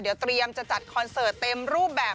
เดี๋ยวเตรียมจะจัดคอนเสิร์ตเต็มรูปแบบ